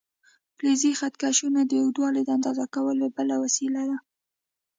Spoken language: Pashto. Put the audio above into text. فلزي خط کشونه د اوږدوالي د اندازه کولو بله وسیله ده.